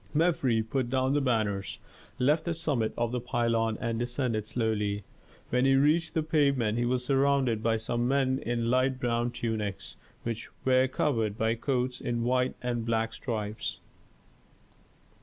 Mefres put down the banners, left the summit of the pylon and descended slowly. When he reached the pavement he was surrounded by some men in light brown tunics, which were covered by coats in white and black stripes.